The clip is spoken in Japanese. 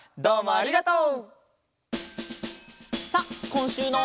ありがとう。